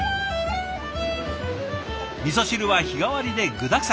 味汁は日替わりで具だくさん。